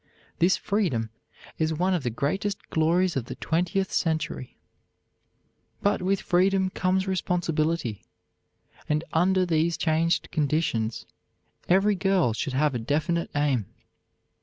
This freedom is one of the greatest glories of the twentieth century. But with freedom comes responsibility, and under these changed conditions every girl should have a definite aim.